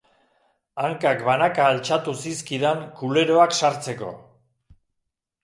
Hankak banaka altxatu zizkidan kuleroak sartzeko.